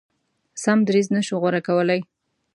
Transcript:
سم دریځ نه شو غوره کولای.